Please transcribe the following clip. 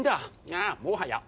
ああもはや俺だ。